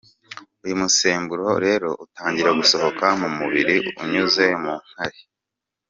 Uyu musemburo rero utangira gusohoka mu mubiri unyuze mu nkari.